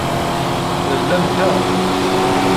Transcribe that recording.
Nella nḥar.